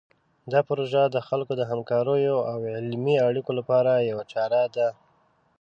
دا پروژه د خلکو د همکاریو او علمي اړیکو لپاره یوه چاره ده.